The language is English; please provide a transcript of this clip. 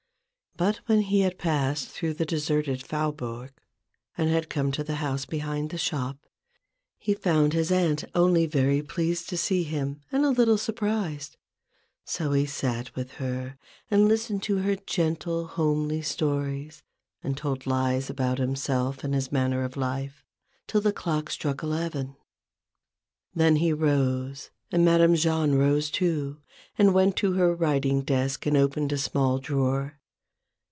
But when he had passed through the deserted Faubourg, and had come to the house behind the shop, he found his aunt only very pleased to see him, and a little surprised. So he sat with her, and listened to her gentle, homely stories, and told lies about himself and his manner of life, till the clock struck eleven. Then he rose, and Madame Jahn rose too, and went to her writing desk and opened a small drawer.